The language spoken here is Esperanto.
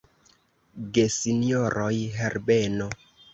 Gesinjoroj Herbeno!